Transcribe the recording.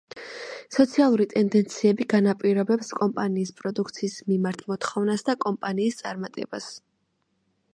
სოციალური ტენდენციები განაპირობებს კომპანიის პროდუქციის მიმართ მოთხოვნას და კომპანიის წარმატებას.